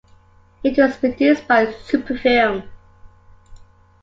It was produced by Super-Film.